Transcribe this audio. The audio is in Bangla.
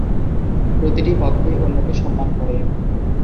প্রতিটি পক্ষই অন্যকে সম্মান করে।